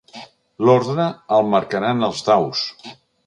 L'ordre el marcaran els daus.